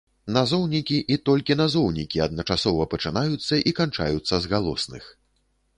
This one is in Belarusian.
Назоўнікі і толькі назоўнікі, адначасова пачынаюцца і канчаюцца з галосных.